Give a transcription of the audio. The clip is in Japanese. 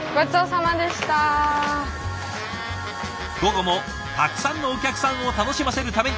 午後もたくさんのお客さんを楽しませるために。